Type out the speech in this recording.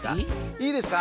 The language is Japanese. いいですか？